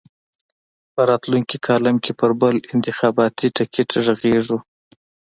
په راتلونکي کالم کې پر بل انتخاباتي ټکټ غږېږو.